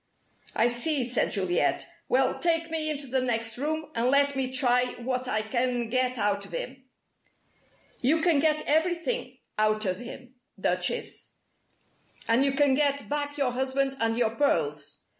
"I see," said Juliet. "Well, take me into the next room, and let me try what I can get out of him!" "You can get everything out of him, Duchess, and you can get back your husband and your pearls.